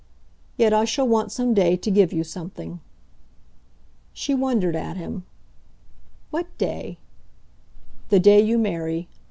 "Yet I shall want some day to give you something." She wondered at him. "What day?" "The day you marry.